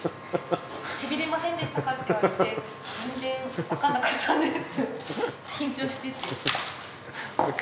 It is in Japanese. しびれませんでしたかって言われて全然わかんなかったんです緊張してて。